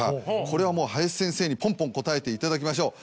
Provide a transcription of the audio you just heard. これはもう林先生にポンポン答えていただきましょう。